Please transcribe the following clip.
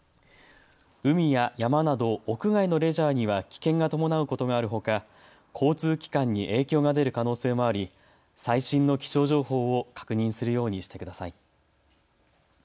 海や山など屋外のレジャーには危険が伴うことがあるほか交通機関に影響が出る可能性もあり、最新の気象情報を確認するようにしてください。